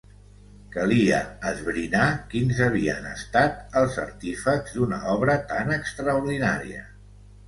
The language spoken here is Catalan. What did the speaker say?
Calia esbrinar quins havien estat els artífexs d'una obra tan extraordinària.